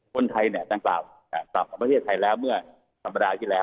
คนไทยเนี่ยต่างปลาวเอ่อต่างประเภทไทยแล้วเมื่อธรรมดาที่แล้ว